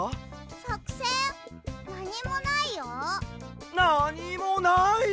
なにもない？